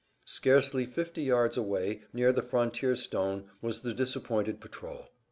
Scarcely fifty yards away, near the frontier stone, was the disappointed patrol.